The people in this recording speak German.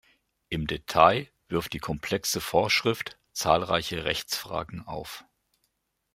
Im Detail wirft die komplexe Vorschrift zahlreiche Rechtsfragen auf.